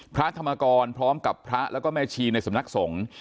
พระธรรมกรพร้อมกับพระแล้วก็แม่ชีในสำนักสงฆ์